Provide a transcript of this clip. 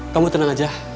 kamu tenang aja